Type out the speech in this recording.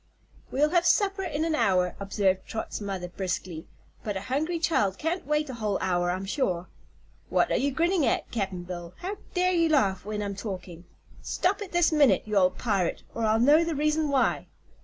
"We'll have supper in an hour," observed Trot's mother, briskly; "but a hungry child can't wait a whole hour, I'm sure. What are you grinning at, Cap'n Bill? How dare you laugh when I'm talking? Stop it this minute, you old pirate, or I'll know the reason why!"